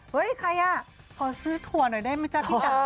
เฮ้ยใครอ่ะขอซื้อถั่วหน่อยได้มั้ยจ๊ะ